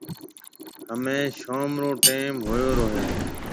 همَي شوم رو ٽيم هوئيو رو هيَ۔